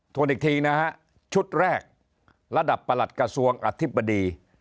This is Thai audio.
วนอีกทีนะฮะชุดแรกระดับประหลัดกระทรวงอธิบดี